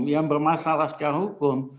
yang bermasalah secara hukum